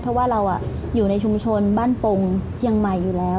เพราะว่าเราอยู่ในชุมชนบ้านปงเชียงใหม่อยู่แล้ว